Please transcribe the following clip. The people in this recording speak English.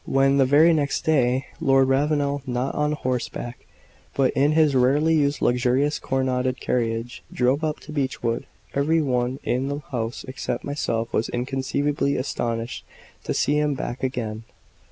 When, the very next day, Lord Ravenel, not on horse back but in his rarely used luxurious coronetted carriage, drove up to Beechwood, every one in the house except myself was inconceivably astonished to see him back again.